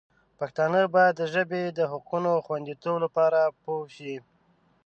پښتانه باید د ژبې د حقونو د خوندیتوب لپاره پوه شي.